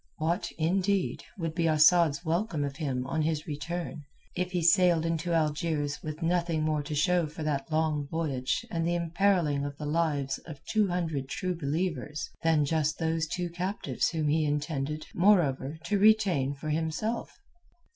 What, indeed, would be Asad's welcome of him on his return if he sailed into Algiers with nothing more to show for that long voyage and the imperilling of the lives of two hundred True Believers than just those two captives whom he intended, moreover, to retain for himself?